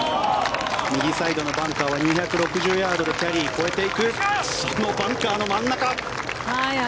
右サイドのバンカーは２５０ヤードキャリーで越えていくそのバンカーの真ん中。